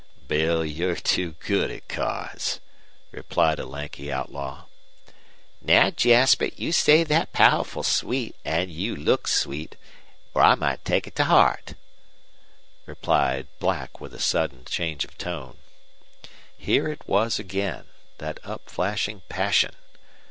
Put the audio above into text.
"Bill, you're too good at cards," replied a lanky outlaw. "Now, Jasper, you say thet powerful sweet, an' you look sweet, er I might take it to heart," replied Black, with a sudden change of tone. Here it was again that upflashing passion.